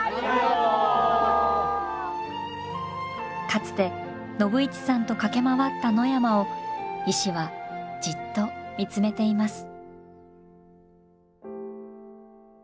かつて信市さんと駆け回った野山を石はじっと見つめています。